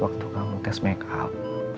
waktu kamu tes makeup